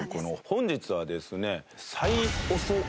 本日はですね。